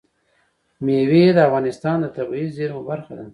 مېوې د افغانستان د طبیعي زیرمو برخه ده.